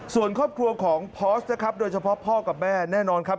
ส่วนครอบครัวของพอสนะครับโดยเฉพาะพ่อกับแม่แน่นอนครับ